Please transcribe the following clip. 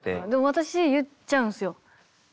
私言っちゃうんですよ。